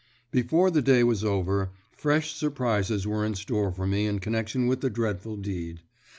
Before the day was over fresh surprises were in store for me in connection with the dreadful deed.